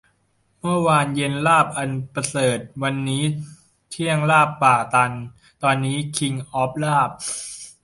เมื่อวานเย็นลาบอันประเสริฐ วันนี้เที่ยงลาบป่าตัน ตอนนี้คิงส์ออฟลาบ